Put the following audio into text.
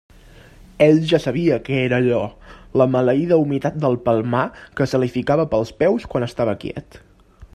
Ell ja sabia el que era allò: la maleïda humitat del Palmar que se li ficava pels peus quan estava quiet.